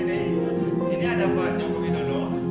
di sini ada bapak jombogidodo